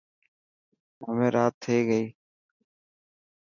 همي رات ٿي گئي.